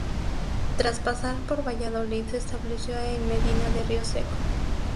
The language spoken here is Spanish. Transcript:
Tras pasar por Valladolid se estableció en Medina de Rioseco.